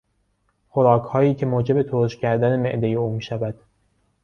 خوراکهایی که موجب ترش کردن معدهی او میشود